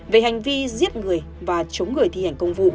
về hành vi giết người và chống người thi hành công vụ